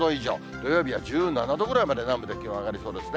土曜日は１７度ぐらいまで南部で気温上がりそうですね。